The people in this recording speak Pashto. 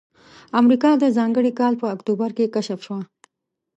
امریکا د ځانګړي کال په اکتوبر کې کشف شوه.